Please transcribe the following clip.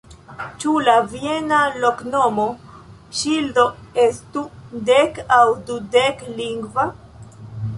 Ĉu la viena loknoma ŝildo estu dek- aŭ dudek-lingva?